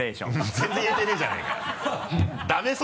全然言えてねぇじゃねぇかよ。